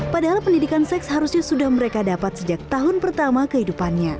padahal pendidikan seks harusnya sudah mereka dapat sejak tahun pertama kehidupannya